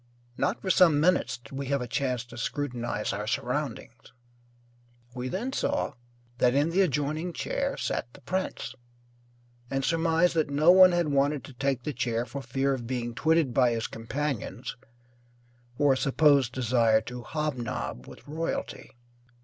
Not for some minutes did we have a chance to scrutinize our surroundings. We then saw that in the adjoining chair sat the prince, and surmised that no one had wanted to take the chair for fear of being twitted by his companions for a supposed desire to hobnob with royalty.